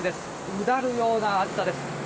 うだるような暑さです。